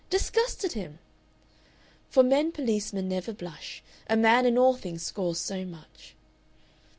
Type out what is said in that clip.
Disgusted him! "For men policemen never blush; A man in all things scores so much...